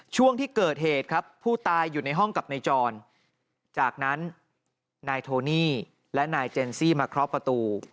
ช่วงที่เกิดเหตุครับผู้ตายอยู่ในห้องกับนายจรจากนั้นนายโทนี่และนายเจนซี่มาเคาะประตู